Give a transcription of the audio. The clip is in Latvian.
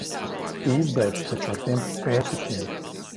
Izbeidz taču ar tiem pērtiķiem!